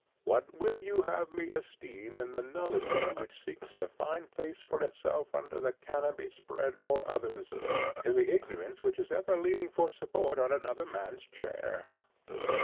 What will you have me esteem in the nullity which seeks to find place for itself under the canopy spread for others—in the ignorance which is ever leaning for support on another man's chair?"